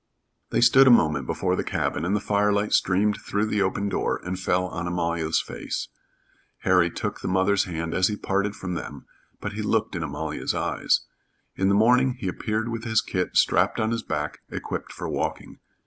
They stood a moment before the cabin, and the firelight streamed through the open door and fell on Amalia's face. Harry took the mother's hand as he parted from them, but he looked in Amalia's eyes. In the morning he appeared with his kit strapped on his back equipped for walking.